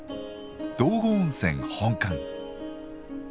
道後温泉本館。